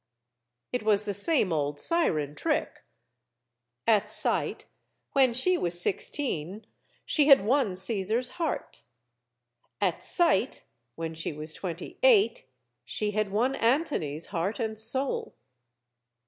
It was the same old siren trick. At sight, when she was sixteen, she had won Caesar's heart; at sight, when she was twenty eight, she had won Antony's heart and soul.